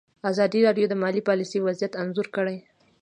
ازادي راډیو د مالي پالیسي وضعیت انځور کړی.